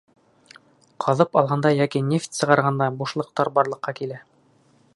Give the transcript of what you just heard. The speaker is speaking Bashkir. Ҡаҙып алғанда йәки нефть сығарғанда бушлыҡтар барлыҡҡа килә.